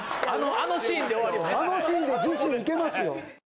あのシーンで次週いけますよ。